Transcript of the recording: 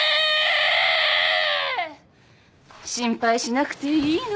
心配しなくていいの。